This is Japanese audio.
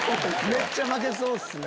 めっちゃ負けそうですね。